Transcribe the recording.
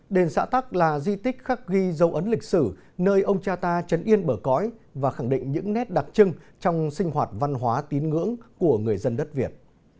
đền xã tắc là di tích khắc ghi dấu ấn lịch sử nơi ông cha ta chấn yên bờ cõi và khẳng định những nét đặc trưng trong sinh hoạt văn hóa tín ngưỡng của người dân đất việt